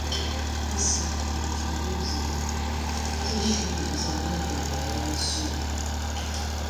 Hasa alichunguza tishu za neva na misuli.